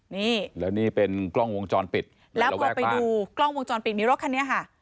นี่แล้วนี่เป็นกล้องวงจรปิดแล้วพอไปดูกล้องวงจรปิดมีรถคันนี้ค่ะ